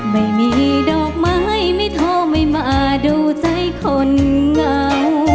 ไม่มีดอกไม้ไม่โทรไม่มาดูใจคนเหงา